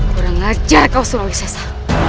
kurang ajar kau sulawesesa